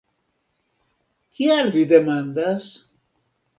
Kial vi demandas?